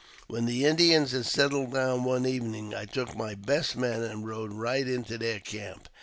When the Indians had settled down one evening, I took my best men and rode right into their camp.